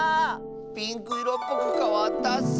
ピンクいろっぽくかわったッス！